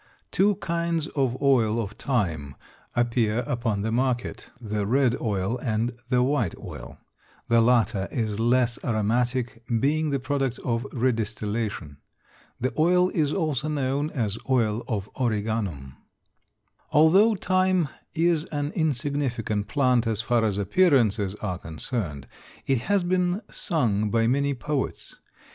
Two kinds of oil of thyme appear upon the market, the red oil and the white oil. The latter is less aromatic being the product of redistillation. The oil is also known as oil of origanum. Although thyme is an insignificant plant as far as appearances are concerned it has been sung by many poets.